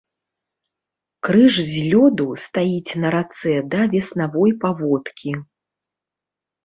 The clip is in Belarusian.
Крыж з лёду стаіць на рацэ да веснавой паводкі.